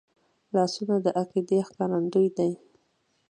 لاسونه د عقیدې ښکارندوی دي